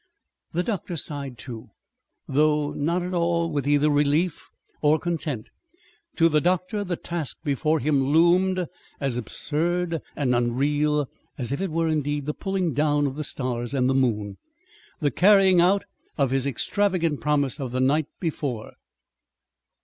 The doctor sighed, too, though not at all with either relief or content. To the doctor, the task before him loomed as absurd and unreal as if it were, indeed, the pulling down of the stars and the moon the carrying out of his extravagant promise of the night before.